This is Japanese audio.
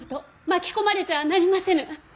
巻き込まれてはなりませぬ。